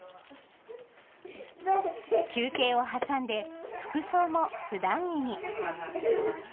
休憩を挟んで、服装も普段着に。